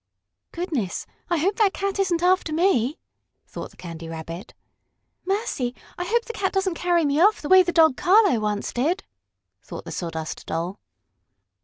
"Goodness, I hope that cat isn't after me!" thought the Candy Rabbit. "Mercy! I hope the cat doesn't carry me off, the way the dog Carlo once did," thought the Sawdust Doll.